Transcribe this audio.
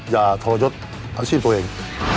อย่าทรยศอาชีพตัวเอง